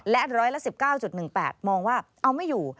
และร้อยละ๑๙๑๘มองว่าเอาไม่อยู่